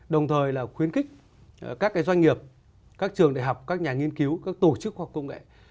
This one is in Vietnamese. đồng thời là khuyến khích các cái doanh nghiệp các trường đại học các nhà nghiên cứu các tổ chức hoặc công nghệ